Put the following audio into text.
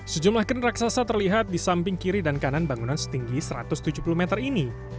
sejumlah ken raksasa terlihat di samping kiri dan kanan bangunan setinggi satu ratus tujuh puluh meter ini